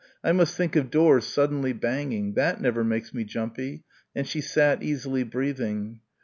I must think of doors suddenly banging that never makes me jumpy and she sat easily breathing.